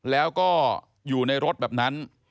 แล้วก็อยู่ในรถแบบนั้น